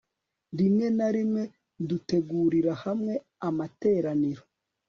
rimwe na rimwe dutegurira hamwe amateraniro